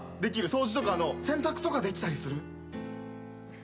掃除とか洗濯とかできたりする？